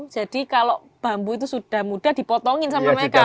jadi kalau bambu sudah muda dipotongin sama mereka